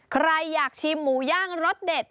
ใครอยากชิมหมูย่างรสเด็ด